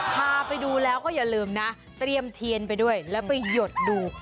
พาไปดูแล้วก็อย่าลืมนะเตรียมเทียนไปด้วยแล้วไปหยดดู